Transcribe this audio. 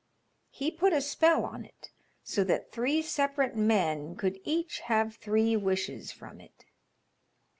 He put a spell on it so that three separate men could each have three wishes from it."